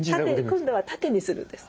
今度は縦にするんです。